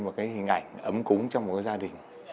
một cái hình ảnh ấm cúng cho một gia đình